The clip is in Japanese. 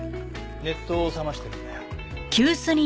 熱湯を冷ましてるんだよ。